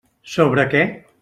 Sobre què?